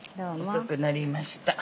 遅くなりました。